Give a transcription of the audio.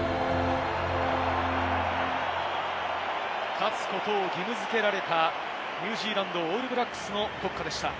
勝つことを義務付けられた、ニュージーランド、オールブラックスの国歌でした。